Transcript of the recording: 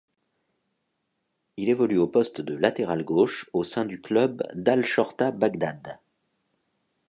Il évolue au poste de latéral gauche au sein du club d'Al Shorta Bagdad.